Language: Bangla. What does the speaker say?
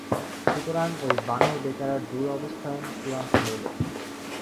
সুতরাং ঐ বানর-বেচারার দুরবস্থার চূড়ান্ত হইল।